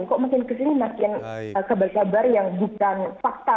kok makin kesini makin kabar kabar yang bukan fakta